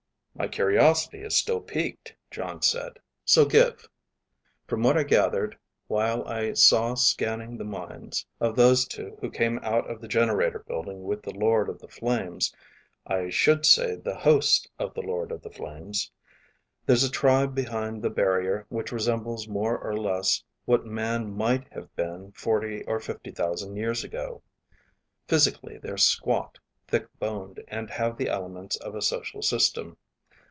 "My curiosity is still peaked," Jon said. "So give." "From what I gathered while I saw scanning the minds of those two who came out of the generator building with the Lord of the Flames (I should say the host of the Lord of the Flames), there's a tribe behind the barrier which resembles more or less what man might have been forty or fifty thousand years ago. Physically they're squat, thick boned, and have the elements of a social system.